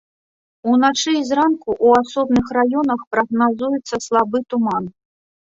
Уначы і зранку ў асобных раёнах прагназуецца слабы туман.